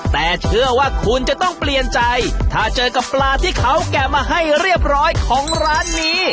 แต่เชื่อว่าคุณจะต้องเปลี่ยนใจถ้าเจอกับปลาที่เขาแกะมาให้เรียบร้อยของร้านนี้